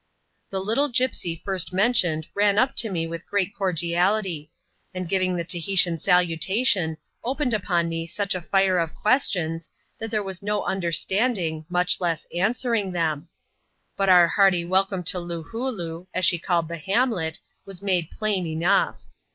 The little gipsy first mentioned ran up to me with great cordiality ; and giving the Tahitian salutation, opened upon me such a flre of questions, that there was no understanding, much less answering, them. But our hearty welcome to Loohooloo, as she called the hamlet, was made plain enough.